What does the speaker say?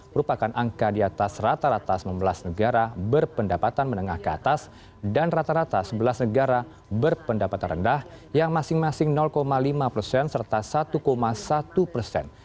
merupakan angka di atas rata rata sembilan belas negara berpendapatan menengah ke atas dan rata rata sebelas negara berpendapatan rendah yang masing masing lima persen serta satu satu persen